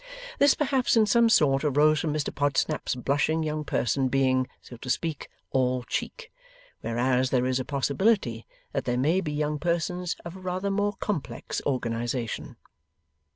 This perhaps in some sort arose from Mr Podsnap's blushing young person being, so to speak, all cheek; whereas there is a possibility that there may be young persons of a rather more complex organization.